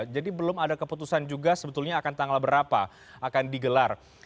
jadi belum ada keputusan juga sebetulnya akan tanggal berapa akan digelar